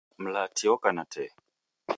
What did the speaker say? Mlati oka na tee.